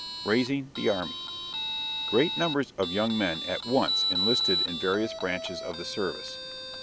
RAISING THE ARMY. Great numbers of young men at once enlisted in various branches of the service.